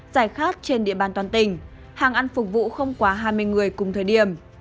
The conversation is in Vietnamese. giải khát trên địa bàn toàn tỉnh hàng ăn phục vụ không quá hai mươi người cùng thời điểm